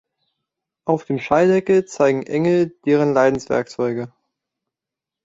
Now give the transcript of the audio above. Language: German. Auf dem Schalldeckel zeigen Engel deren Leidenswerkzeuge.